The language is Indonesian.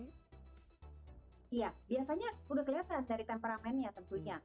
iya biasanya udah kelihatan dari temperamennya tentunya